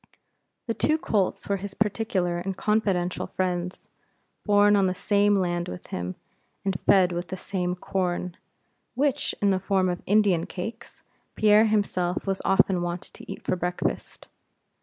The two colts were his particular and confidential friends; born on the same land with him, and fed with the same corn, which, in the form of Indian cakes, Pierre himself was often wont to eat for breakfast.